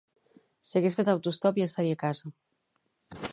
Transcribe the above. Si hagués fet autostop ja seria a casa